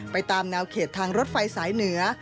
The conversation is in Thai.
ตามแนวเขตทางรถไฟสายเหนือ